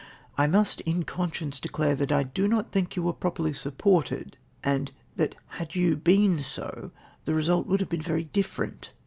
" I must, in conscience, declare that I do not tliink you were properly supported, and that had you been so the result would have been very different.